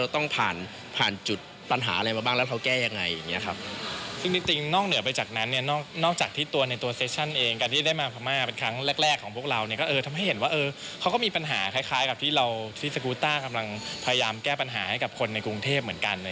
ทำให้เห็นว่าเขาก็มีปัญหาคล้ายกับที่สกูต้ากำลังพยายามแก้ปัญหาให้กับคนในกรุงเทพฯเหมือนกัน